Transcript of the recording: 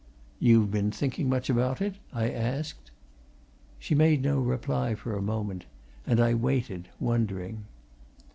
"You've been thinking much about it?" I asked. She made no reply for a moment, and I waited, wondering.